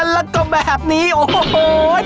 แล้วก็แบบนี้โอ้โฮโอ๊ย